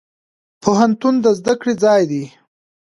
پوهنتون د زده کړي ځای دی.